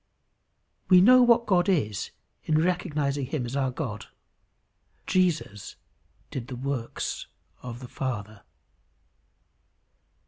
We know what God is in recognizing him as our God. Jesus did the works of the Father.